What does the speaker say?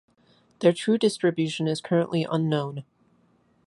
Their true distribution is currently unknown.